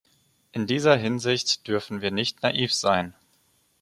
In dieser Hinsicht dürfen wir nicht naiv sein.